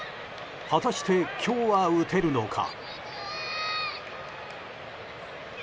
果たして今日は打てるのか。